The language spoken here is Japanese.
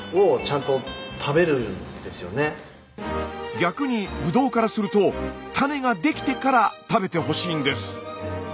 逆にブドウからすると種が出来てから食べてほしいんです。